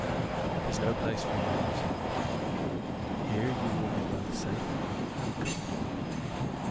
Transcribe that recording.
"'Tis no place for you," said Robin. "Here you will be both safe and comfortable."